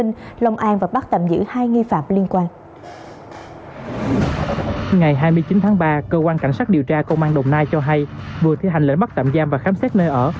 trước đó vào ngày hai mươi tám tháng ba cơ quan cảnh sát điều tra công an đồng nai cho hay vừa thi hành lễ mắt tạm giam và khám xét nơi ở